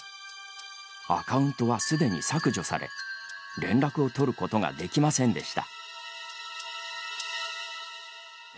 アカウントはすでに削除され連絡を取ることができませんでした。